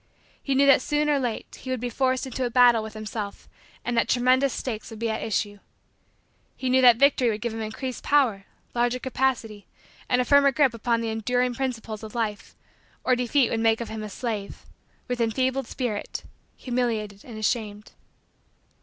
He knew that soon or late he would be forced into a battle with himself and that tremendous stakes would be at issue. He knew that victory would give him increased power, larger capacity, and a firmer grip upon the enduring principles of life or defeat would make of him a slave, with enfeebled spirit, humiliated and ashamed.